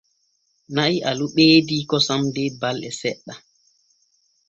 Na'i alu ɓeedi kosam der balde seɗɗen.